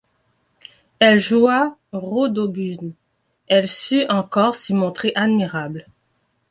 Elle joua Rodogune ; elle sut encore s'y montrer admirable.